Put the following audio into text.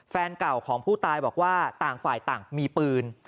แฟนเก่าของผู้ตายบอกว่าต่างฝ่ายต่างมีปืน